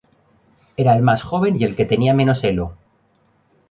Era el más joven y el que tenía menos Elo.